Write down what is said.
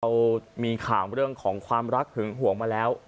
เรามีข่าวเรื่องของความรักหึงห่วงมาแล้ว